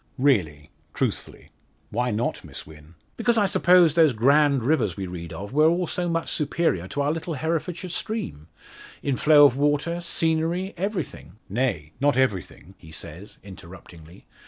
"Really truthfully. Why not, Miss Wynn?" "Because I supposed those grand rivers we read of were all so much superior to our little Herefordshire stream; in flow of water, scenery, everything " "Nay, not everything!" he says, interruptingly.